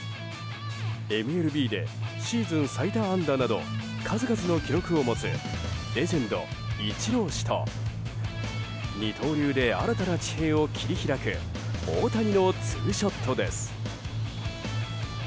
ＭＬＢでシーズン最多安打など数々の記録を持つレジェンド、イチロー氏と二刀流で新たな地平を切り開く大谷のツーショットです。